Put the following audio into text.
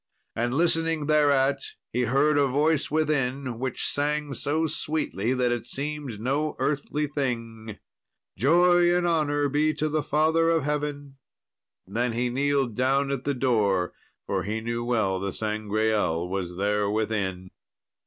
And listening thereat he heard a voice within, which sang so sweetly that it seemed no earthly thing, "Joy and honour be to the Father of Heaven!" Then he kneeled down at the door, for he knew well the Sangreal was there within.